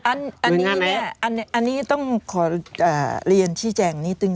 อันนี้แหละอันนี้ต้องขอเรียนชิ้นแจ่งนิตึง